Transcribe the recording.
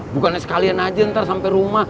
bukannya sekalian aja ntar sampai rumah